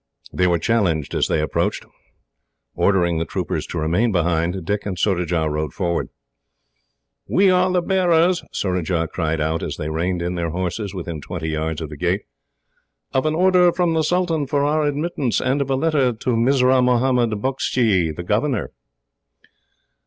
They were challenged as they approached. Ordering the troopers to remain behind, Dick and Surajah rode forward. "We are the bearers," Surajah cried out, as they reined in their horses within twenty yards of the gate, "of an order from the sultan for our admittance, and of a letter to Mirzah Mohammed Bukshy, the governor."